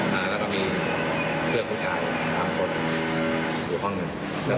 แล้วก็มีเพื่อนผู้ชายสามคนอยู่ห้องหนึ่ง